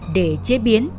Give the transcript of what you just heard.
để chế biến